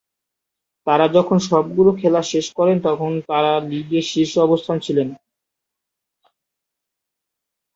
তারা যখন সবগুলো খেলা শেষ করেন তখন তারা লীগে শীর্ষ অবস্থানে ছিলেন।